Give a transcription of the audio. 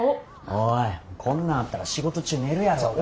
おいこんなんあったら仕事中寝るやろうが。